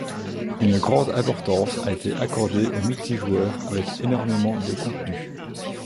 Une grande importance a été accordée au multijoueur avec énormément de contenu.